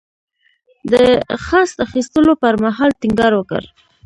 د خصت اخیستلو پر مهال ټینګار وکړ.